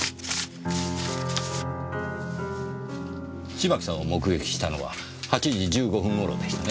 芝木さんを目撃したのは８時１５分頃でしたね？